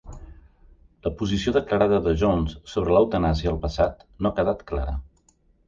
La posició declarada de Jones sobre l'eutanàsia al passat no ha quedat clara.